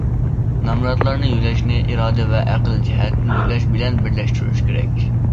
نامراتلارنى يۆلەشنى ئىرادە ۋە ئەقىل جەھەتتىن يۆلەش بىلەن بىرلەشتۈرۈش كېرەك.